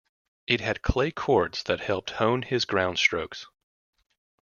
It had clay courts that helped hone his groundstrokes.